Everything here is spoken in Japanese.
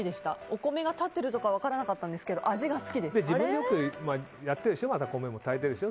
お米が立っているとかは分からなかったんですけど味が良かったです。